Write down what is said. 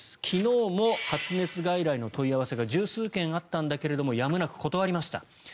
昨日も発熱外来の問い合わせが１０数件あったんだけどやむなく断りました。